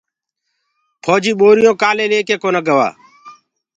ڦوجيٚ ٻورِيونٚ ڪآلي ليڪي ڪونآ گوآ